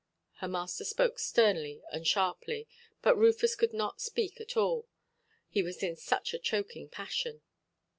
Her master spoke sternly and sharply. But Rufus could not speak at all. He was in such a choking passion.